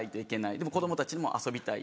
でも子供たちも遊びたい。